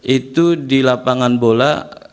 itu di lapangan bola